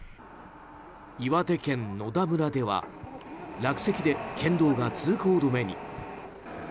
岩手県野田村では落石で県道が通行止めに。